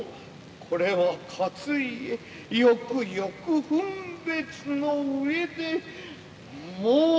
これは勝家よくよく分別の上で申すことだぞ。